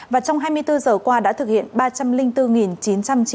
và trong hai mươi bốn giờ qua đã thực hiện